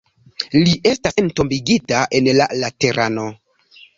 Li estas entombigita en la Laterano.